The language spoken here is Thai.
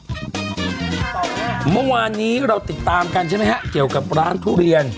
เมื่อวานนี้เราติดตามกันใช่ไหมฮะเกี่ยวกับร้านทุเรียน